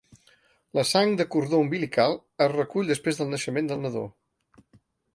La sang de cordó umbilical es recull després del naixement del nadó.